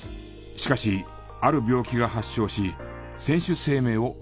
しかしある病気が発症し選手生命を奪われた。